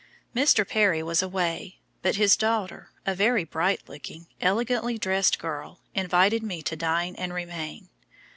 Mr. Perry was away, but his daughter, a very bright looking, elegantly dressed girl, invited me to dine and remain.